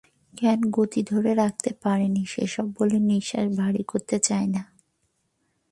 কেন গতি ধরে রাখতে পারেনি, সেসব বলে নিঃশ্বাস ভারী করতে চাই না।